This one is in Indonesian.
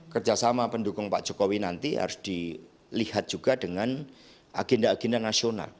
kerjasama pendukung pak jokowi nanti harus dilihat juga dengan agenda agenda nasional